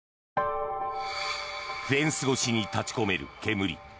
フェンス越しに立ち込める煙。